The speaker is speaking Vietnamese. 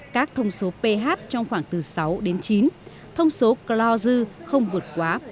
các thông số ph trong khoảng từ sáu đến chín thông số clue không vượt quá